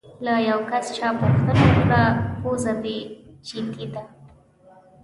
له یو کس چا پوښتنه وکړه: پوزه دې چیتې ده؟